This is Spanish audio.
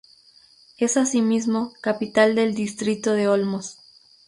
Es asimismo capital del distrito de Olmos.